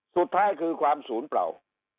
สุดท้ายคือความศูนย์เปล่า